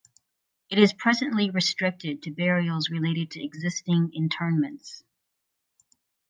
It is presently restricted to burials related to existing interments.